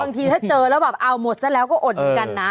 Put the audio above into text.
บางทีถ้าเจอแล้วแบบเอาหมดซะแล้วก็อดเหมือนกันนะ